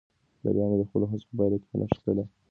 بریا مې د خپلو هڅو په پایله کې په نښه کړه.